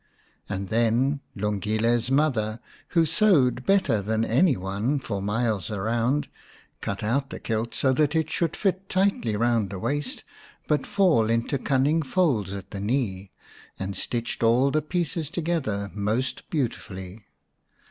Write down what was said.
And then Lungile's mother, who sewed better than any one for miles around, cut out the kilt so that it should fit tightly round the waist but fall into cunning folds at the knee, and stitched all the pieces together most beautifully.